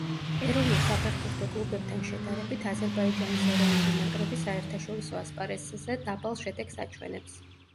ეროვნულ საფეხბურთო კლუბებთან შედარებით, აზერბაიჯანის ეროვნული ნაკრები საერთაშორისო ასპარესზე დაბალ შედეგს აჩვენებს.